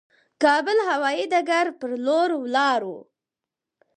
کابل هوايي ډګر پر لور ولاړو.